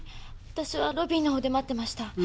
わたしはロビーの方で待ってました。